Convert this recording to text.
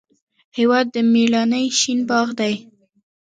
هېواد د میړانې شین باغ دی.